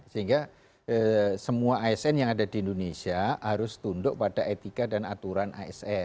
sehingga semua asn yang ada di indonesia harus tunduk pada etika dan aturan asn